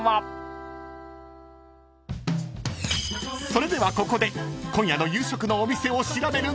［それではここで今夜の夕食のお店を調べる］